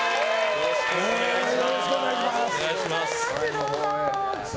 よろしくお願いします。